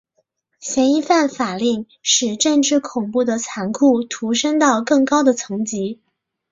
嫌疑犯法令使政治恐怖的残酷陡升到更高的层级。